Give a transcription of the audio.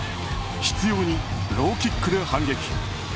執拗にローキックで反撃。